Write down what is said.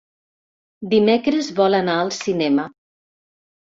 Dimecres vol anar al cinema.